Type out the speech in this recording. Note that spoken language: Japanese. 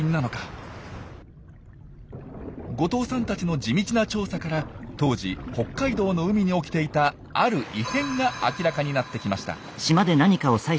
後藤さんたちの地道な調査から当時北海道の海に起きていたある異変が明らかになってきました。